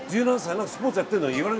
何かスポーツやってるの？